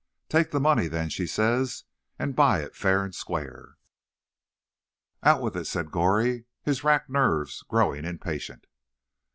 'Take the money, then,' says she, 'and buy it fa'r and squar'.'" "Out with it," said Goree, his racked nerves growing impatient.